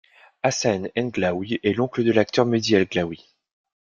Hassan El Glaoui est l'oncle de l'acteur Mehdi El Glaoui.